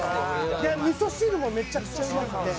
「みそ汁もめちゃくちゃうまくて」